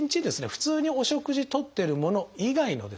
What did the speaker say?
普通にお食事とってるもの以外のですね